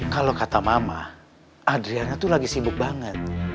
kalau kata mama adriana itu lagi sibuk banget